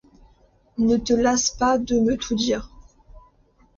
Ne te lasse pas de me tout dire.